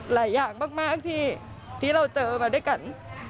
หลายอย่างมากที่เราเจอมาด้วยกัน